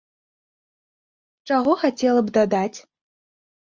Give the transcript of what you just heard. Чаго хацела б дадаць?